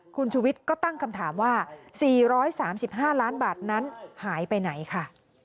คุณชุวิตก็ตั้งคำถามว่า๔๓๕ล้านบาทนั้นหายไปไหนค่ะ